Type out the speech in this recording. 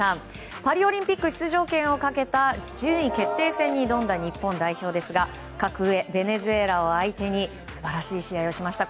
パリオリンピック出場権をかけた順位決定戦に挑んだ日本代表でしたが格上ベネズエラを相手に素晴らしい試合をしました。